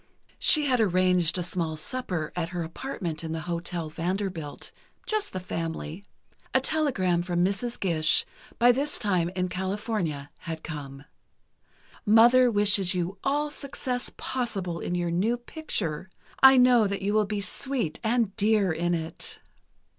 She had arranged a small supper at her apartment in the Hotel Vanderbilt, just the family. A telegram from Mrs. Gish, by this time in California, had come: "Mother wishes you all success possible in your new picture. I know that you will be sweet and dear in it."